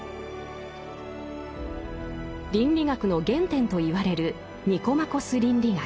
倫理学の原点と言われる「ニコマコス倫理学」。